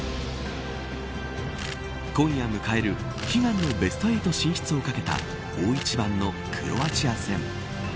今夜迎える悲願のベスト８進出をかけた大一番のクロアチア戦。